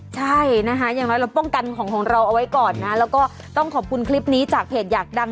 ใช่นะคะอย่างน้อยเราป้องกันของของเราเอาไว้ก่อนนะแล้วก็ต้องขอบคุณคลิปนี้จากเพจอยากดัง